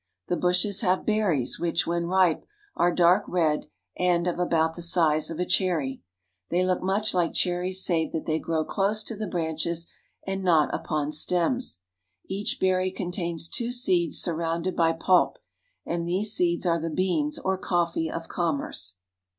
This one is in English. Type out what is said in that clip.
The bushes have berries which, when ripe, are dark red and of about the size of a cherry. They look much like cherries save that they grow close to the branches and not upon stems. Each berry contains two seeds surrounded by pulp, and these seeds are the beans or coffee of commerce.